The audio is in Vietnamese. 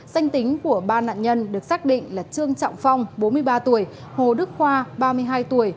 danh tính của ba nạn nhân được xác định là trương trọng phong bốn mươi ba tuổi hồ đức khoa ba mươi hai tuổi